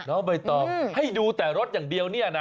น้องใบตองให้ดูแต่รถอย่างเดียวเนี่ยนะ